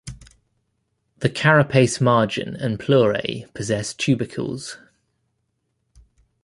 The carapace margin and pleurae possess tubercles.